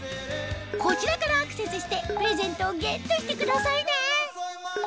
こちらからアクセスしてプレゼントをゲットしてくださいね